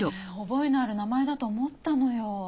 覚えのある名前だと思ったのよ。